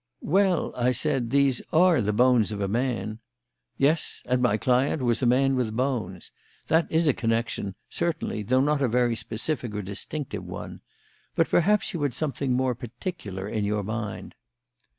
"Well," I said, "these are the bones of a man " "Yes; and my client was a man with bones. That is a connection, certainly, though not a very specific or distinctive one. But perhaps you had something more particular in your mind."